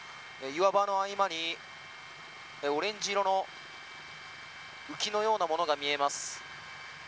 岩場の合間にオレンジ色の浮きのようなものが見えます。